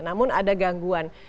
namun ada gangguan